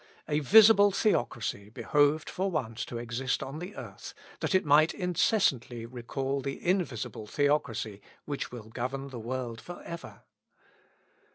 A visible Theocracy behoved for once to exist on the earth, that it might incessantly recall the invisible Theocracy which will govern the world for ever.